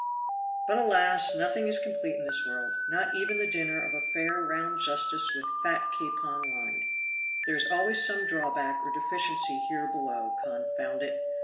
But alas! nothing is complete in this world, not even the dinner of a fair round justice with fat capon lined. There is always some drawback or deficiency here below confound it!